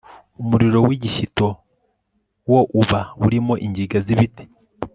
umuriro w'igishyito wo uba urimo ingiga z'ibiti